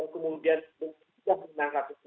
itu akan membuat kisah indonesia yang makin lurus